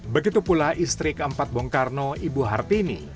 begitu pula istri keempat bongkarno ibu hartini